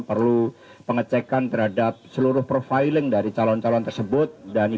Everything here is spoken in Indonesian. perlu pengecekan terhadap seluruh profiling dari calon calon yang berada di dalam kota